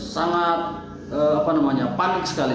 sangat panik sekali